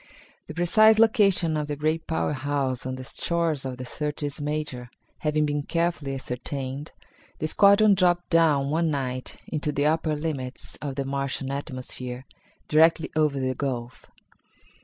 The precise location of the great power house on the shores of the Syrtis Major having been carefully ascertained, the squadron dropped down one night into the upper limits of the Martian atmosphere, directly over the gulf.